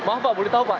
maaf pak boleh tahu pak